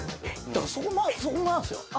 そこもなんですよ。